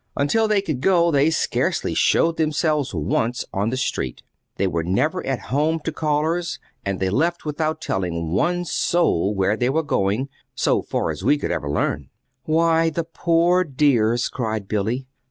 Until they could go, they scarcely showed themselves once on the street, they were never at home to callers, and they left without telling one soul where they were going, so far as we could ever learn." "Why, the poor dears!" cried Billy.